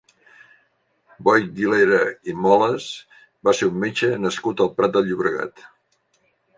Boi Guilera i Molas va ser un metge nascut al Prat de Llobregat.